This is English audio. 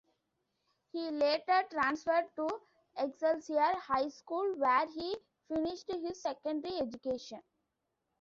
He later transferred to Excelsior High School, where he finished his secondary education.